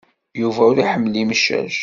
Yuba ur iḥemmel imcac.